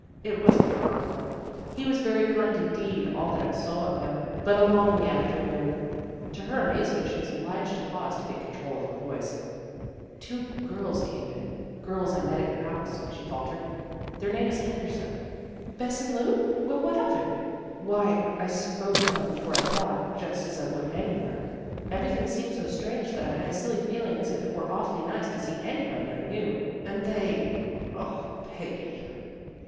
" It wasn't your uncle. He was very kind indeed, all that I saw of him. 290 THE GIRLS OF FRIENDLY TERRACE But along in the afternoon "to her amaze ment she was obliged to pause to get control of her voice " two girls came in, girls I met at your house," she faltered. " Their name is Henderson." "Bess and Lu! Well, what of it? "" Why, I spoke to them before I thought, just as I would anywhere. Everything seemed so strange that I had a silly feeling as if it were awfully nice to see anybody I knew. And they O, Peggy!"